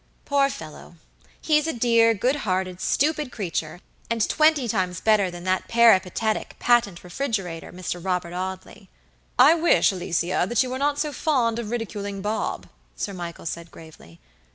Poor fellow! he's a dear, good hearted, stupid creature, and twenty times better than that peripatetic, patent refrigerator, Mr. Robert Audley." "I wish, Alicia, you were not so fond of ridiculing Bob," Sir Michael said, gravely.